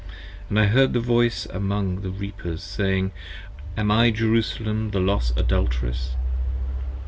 And I heard the voice among The Reapers, Saying, Am I Jerusalem the lost Adulteress?